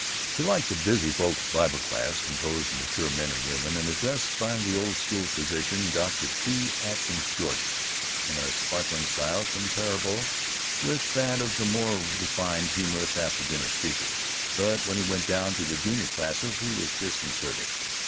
He liked the Busy Folks' Bible Class, composed of mature men and women and addressed by the old school physician, Dr. T. Atkins Jordan, in a sparkling style comparable to that of the more refined humorous after dinner speakers, but when he went down to the junior classes he was disconcerted.